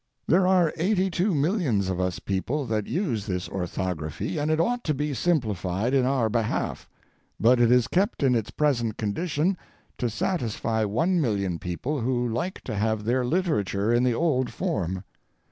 There are eighty two millions of us people that use this orthography, and it ought to be simplified in our behalf, but it is kept in its present condition to satisfy one million people who like to have their literature in the old form.